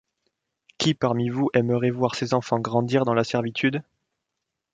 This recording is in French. Qui parmi vous aimerait voir ses enfants grandir dans la servitude?...